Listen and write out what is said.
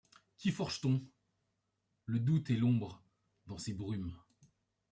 Qu’y forge-t-on ? le doute et l’ombre. Dans ces brumes